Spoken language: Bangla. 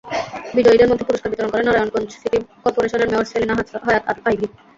বিজয়ীদের মধ্যে পুরস্কার বিতরণ করেন নারায়ণগঞ্জ সিটি করপোরেশনের মেয়র সেলিনা হায়াৎ আইভী।